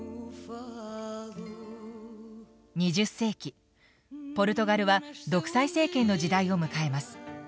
２０世紀ポルトガルは独裁政権の時代を迎えます。